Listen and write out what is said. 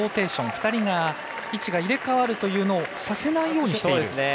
２人が位置を変わるというのをさせないようにしている。